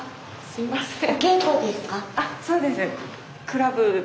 すいません。